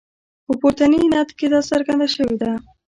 په پورتني نعت کې دا څرګنده شوې ده.